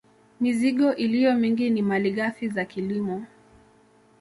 Mizigo iliyo mingi ni malighafi za kilimo